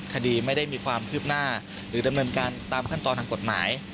คดีไม่ได้มีความคืบหน้าหรือดำเนินการตามขั้นตอนทางกฎหมาย